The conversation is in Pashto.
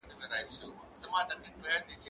زه به سبا تمرين کوم،